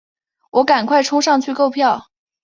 我赶忙冲上去购票